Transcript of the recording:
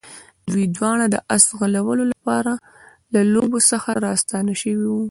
دوی دواړه د آس ځغلونې له لوبو څخه راستانه شوي وو.